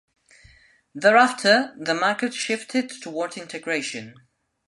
Thereafter, the market shifted toward integration.